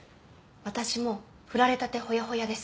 私も振られたてほやほやです。